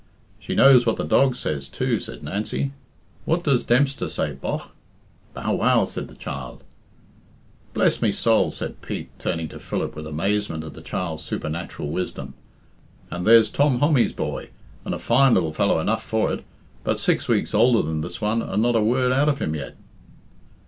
"She knows what the dog says too," said Nancy. "What does Dempster say, bogh?" "Bow wow," said the child. "Bless me soul!" said Pete, turning to Philip with amazement at the child's supernatural wisdom. "And there's Tom Hommy's boy and a fine lil fellow enough for all but six weeks older than this one, and not a word out of him yet."